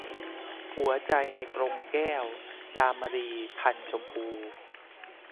หัวใจในกรงแก้ว - จามรี พรรณชมพู